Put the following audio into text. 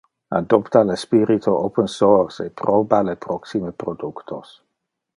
Adopta le spirito open-source e proba le proxime productos.